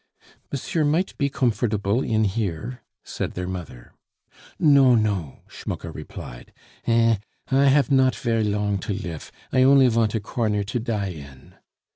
"Monsieur might be comfortable in here," said their mother. "No, no," Schmucke replied. "Eh! I haf not ver' long to lif, I only vant a corner to die in."